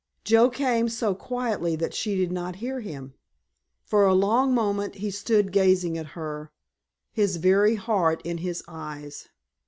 Joe came so quietly that she did not hear him. For a long moment he stood gazing at her, his very heart in his eyes.